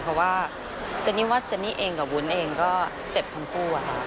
เพราะว่าเจนนี่ว่าเจนนี่เองกับวุ้นเองก็เจ็บทั้งคู่อะค่ะ